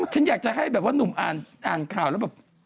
ฉันอยากจะให้แบบว่าหนุ่มอ่านข่าวแล้วแบบ